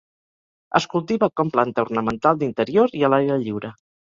Es cultiva com planta ornamental d'interior i a l'aire lliure.